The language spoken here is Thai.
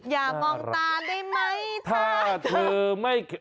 อย่ามองตาได้ไหมถ้าเธอไม่